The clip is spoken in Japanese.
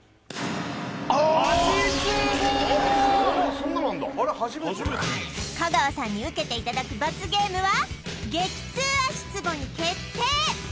そんなのあんだあれ初めて香川さんに受けていただく罰ゲームは激痛足ツボに決定！